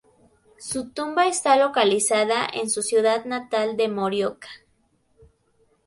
Su tumba está localizada en su ciudad natal de Morioka.